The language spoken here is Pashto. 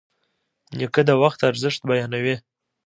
نیکه د وخت ارزښت بیانوي.